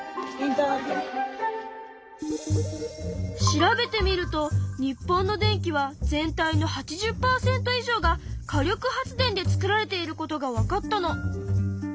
調べてみると日本の電気は全体の８０％以上が火力発電で作られていることがわかったの。